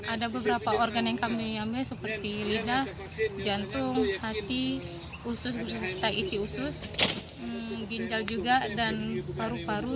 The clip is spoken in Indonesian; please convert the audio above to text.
ada beberapa organ yang kami ambil seperti lidah jantung hati usus tak isi usus ginjal juga dan paru paru